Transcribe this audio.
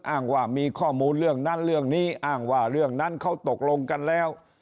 อ้างว่ามีข้อมูลเรื่องนั้นเรื่องนี้อ้างว่าเรื่องนั้นเขาตกลงกันแล้ว